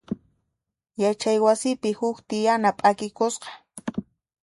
Yachay wasipi huk tiyana p'akikusqa.